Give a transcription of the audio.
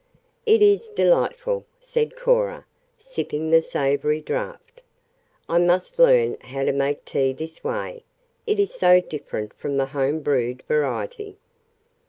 "It is delightful," said Cora, sipping the savory draught. "I must learn how to make tea this way it is so different from the home brewed variety."